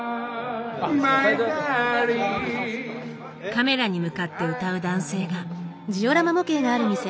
カメラに向かって歌う男性が。